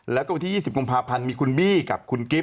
แล้วก็วันที่๒๐กุมภาพันธ์มีคุณบี้กับคุณกิฟต